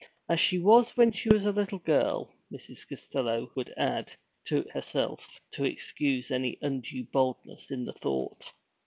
'As she was when a little girl,' Mrs. Costello would add, to herself, to excuse any undue boldness in the thought.